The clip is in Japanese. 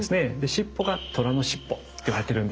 尻尾が虎の尻尾といわれてるんです。